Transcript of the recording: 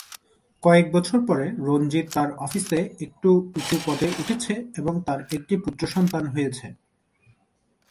কয়েক বছর পরে রঞ্জিত তার অফিসে একটু উঁচু পদে উঠেছে এবং তার একটি পুত্রসন্তান হয়েছে।